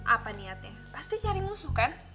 apa niatnya pasti cari musuh kan